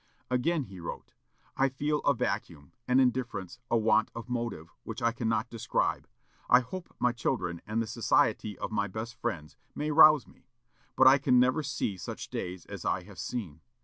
Again he wrote, "I feel a vacuum, an indifference, a want of motive, which I cannot describe. I hope my children, and the society of my best friends, may rouse me; but I can never see such days as I have seen.